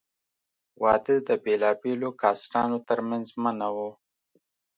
واده د بېلابېلو کاسټانو تر منځ منع وو.